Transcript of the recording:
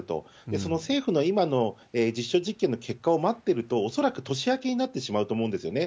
その政府の今の実証実験を結果を待ってると、恐らく年明けになってしまうと思うんですよね。